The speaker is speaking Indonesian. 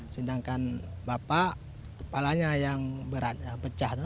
sedangkan bapak kepalanya yang beratnya pecah